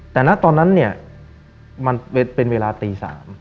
แต่ณตอนนั้นเนี่ยมันเป็นเวลาตี๓